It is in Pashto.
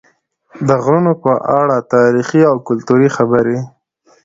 د غرونو په اړه تاریخي او کلتوري خبرې